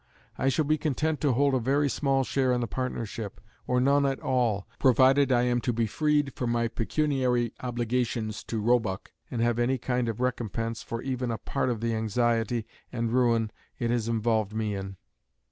I shall be content to hold a very small share in the partnership, or none at all, provided I am to be freed from my pecuniary obligations to Roebuck and have any kind of recompense for even a part of the anxiety and ruin it has involved me in.